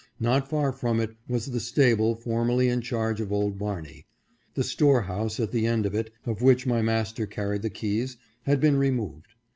Not far from it was the stable formerly in charge of old Bar ney. The store house at the end of it, of which my mas ter carried the keys, had been removed.